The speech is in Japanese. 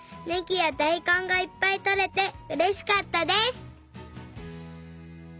ねぎやだいこんがいっぱいとれてうれしかったです。